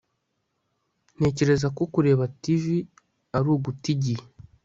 Ntekereza ko kureba TV ari uguta igihe